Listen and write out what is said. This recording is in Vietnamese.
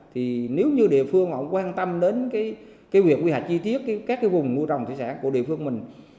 thì nếu như địa phương họ quan tâm đến cái việc quy hoạch chi tiết các cái vùng nuôi trồng thủy sản của địa phương mình